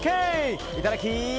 いただき！